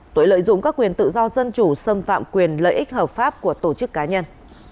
tội lợi dụng các quyền tự do dân chủ xâm phạm quyền lợi ích hợp pháp của tổ chức cá nhân